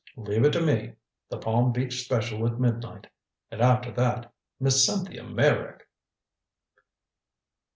"Leave it to me. The Palm Beach Special at midnight. And after that Miss Cynthia Meyrick!"